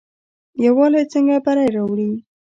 یووالی څنګه بری راوړي؟